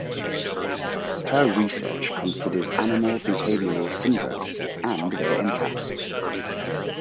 Her research considers animal behavioural syndromes and their impacts.